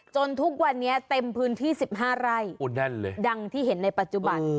ทุกวันนี้เต็มพื้นที่๑๕ไร่โอ้แน่นเลยดังที่เห็นในปัจจุบัน